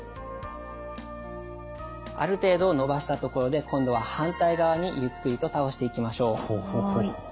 ある程度伸ばしたところで今度は反対側にゆっくりと倒していきましょう。